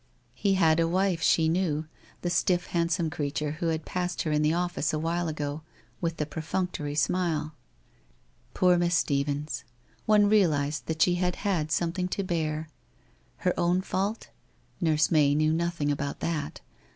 He had 432 WHITE ROSE OF WEARY LEAF a wife, she knew, the stiff handsome creature who had passed her in the office a while ago, with the perfunctory smile. Poor Miss Stephens, one realized that she had had something to bear! Her own fault? Nurse May knew nothing about that.